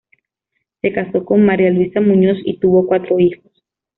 Se casó con María Luisa Muñoz y tuvo cuatro hijos.